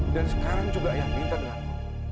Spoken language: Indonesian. dan sekarang juga ayang minta denganmu